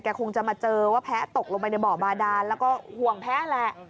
คงจะมาเจอว่าแพ้ตกลงไปในบ่อบาดานแล้วก็ห่วงแพ้แหละ